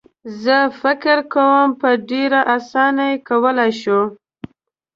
زه فکر کوم په ډېره اسانۍ یې کولای شو.